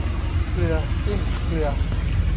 เกลือจิ้มเกลือ